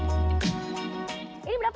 ini berapa harganya ibu